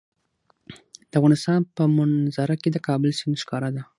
د افغانستان په منظره کې د کابل سیند ښکاره ده.